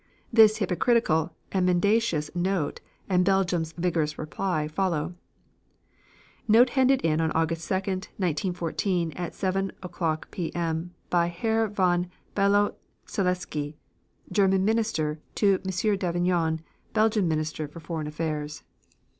This hypocritical and mendacious note and Belgium's vigorous reply follow: Note handed in on August 2, 1914, at 7 o'clock P. M., by Herr von Below Saleske, German Minister, to M. Davignon, Belgian Minister for Foreign Affairs.